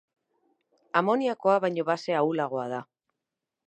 Amoniakoa baino base ahulagoa da.